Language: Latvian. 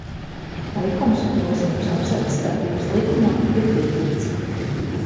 "Likums "Grozījums Apsardzes darbības likumā" ir pieņemts."